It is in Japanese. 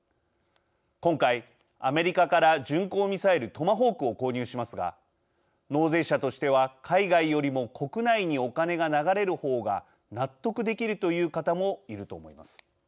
今回、アメリカから巡航ミサイルトマホークを購入しますが納税者としては海外よりも国内にお金が流れる方が納得できるという方もいると思います。